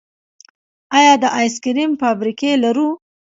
آیا د آیس کریم فابریکې لرو؟